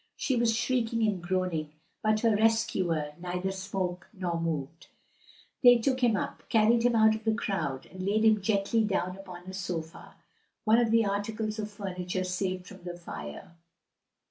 She was shrieking and groaning, but her rescuer neither spoke nor moved. They took him up, carried him out of the crowd, and laid him gently down upon a sofa; one of the articles of furniture saved from the fire.